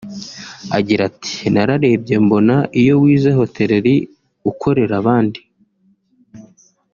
Agira ati “ Nararebye mbona iyo wize hotereri (hotelerie) ukorera abandi